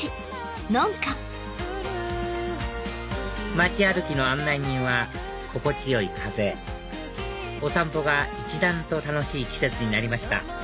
街歩きの案内人は心地よい風お散歩が一段と楽しい季節になりました